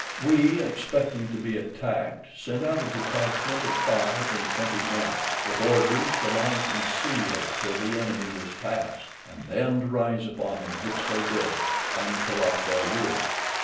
We, expecting to be attacked, sent out a detachment of five and twenty men, with orders to lie concealed till the enemy was past, and then to rise upon them, which they did, and cut off their rear.